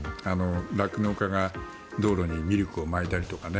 酪農家が道路にミルクをまいたりとかね。